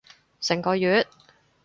成個月？